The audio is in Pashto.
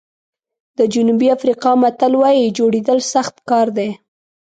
د جنوبي افریقا متل وایي جوړېدل سخت کار دی.